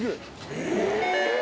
え！